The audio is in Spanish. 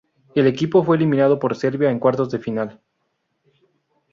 El equipo fue eliminado por Serbia en cuartos de final.